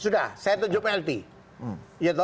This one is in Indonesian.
sudah saya tunjuk plt